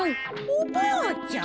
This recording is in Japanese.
おばあちゃん？